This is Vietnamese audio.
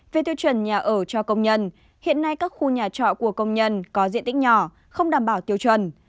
về tiêu chuẩn nhà ở cho công nhân hiện nay các khu nhà trọ của công nhân có diện tích nhỏ không đảm bảo tiêu chuẩn